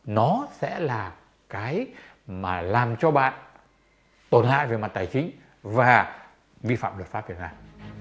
nó sẽ là cái mà làm cho bạn tổn hại về mặt tài chính và vi phạm luật pháp việt nam